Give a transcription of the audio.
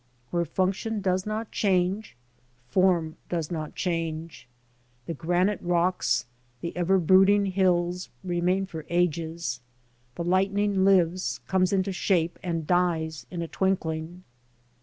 Where function does not change, form does not change. The granite rocks, the ever brooding hills, remain for ages ; the lightning lives, comes into shape, and dies, in a twinkling.